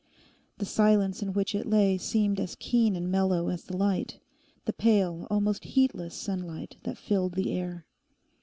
The silence in which it lay seemed as keen and mellow as the light—the pale, almost heatless, sunlight that filled the air.